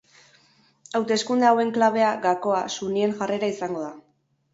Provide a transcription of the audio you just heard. Hauteskunde hauen klabea, gakoa, sunien jarrera izango da.